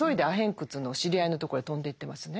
窟の知り合いのところへ飛んでいってますね。